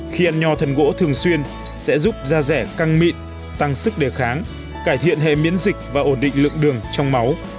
khi ăn nho thần gỗ thường xuyên sẽ giúp da rẻ căng mịn tăng sức đề kháng cải thiện hệ miễn dịch và ổn định lượng đường trong máu